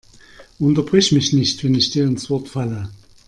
Unterbrich mich nicht, wenn ich dir ins Wort falle!